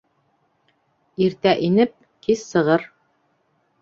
Иртә инеп, кис сығыр